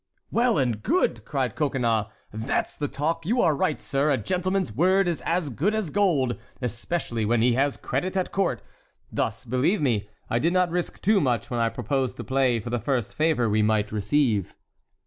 "Well and good!" cried Coconnas, "that's the talk! You are right, sir, a gentleman's word is as good as gold, especially when he has credit at court. Thus, believe me, I did not risk too much when I proposed to play for the first favor we might receive."